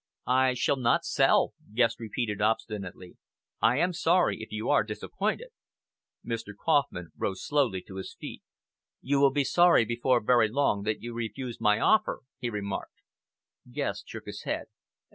"I shall not sell," Guest repeated obstinately. "I am sorry if you are disappointed." Mr. Kauffman rose slowly to his feet. "You will be sorry before very long that you refused my offer," he remarked. Guest shook his head.